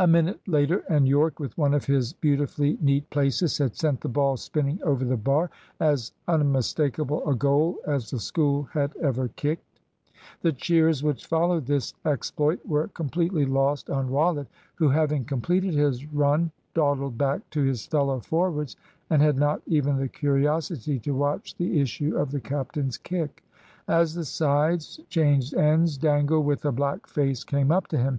A minute later and Yorke, with one of his beautifully neat "places," had sent the ball spinning over the bar, as unmistakable a goal as the School had ever kicked. The cheers which followed this exploit were completely lost on Rollitt, who, having completed his run, dawdled back to his fellow forwards, and had not even the curiosity to watch the issue of the captain's kick. As the sides changed ends, Dangle, with a black face, came up to him.